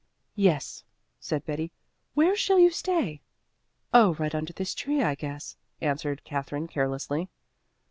"Yes," said Betty. "Where shall you stay?" "Oh, right under this tree, I guess," answered Katherine carelessly.